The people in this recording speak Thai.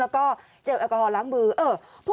แล้วก็เจลแอลกอฮอลล้างมือ